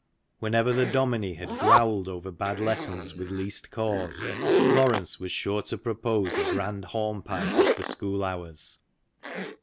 Whenever the dominie had growled over bad lessons with least cause, Laurence was sure to propose a grand hornpipe after school hours.